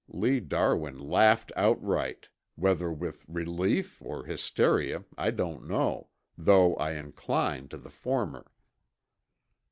Lee Darwin laughed outright, whether with relief or hysteria I don't know, though I incline to the former.